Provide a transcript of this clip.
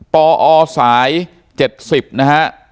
ปอสาย๗๐นะฮะ